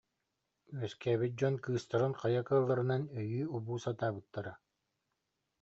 үөскээбит дьон кыыстарын хайа кыалларынан өйүү- убуу сатаабыттара